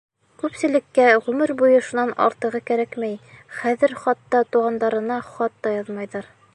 Күпселеккә ғүмер буйы шунан артығы кәрәкмәй, хәҙер хатта туғандарына хат та яҙмайҙар.